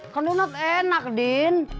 kan donat enak din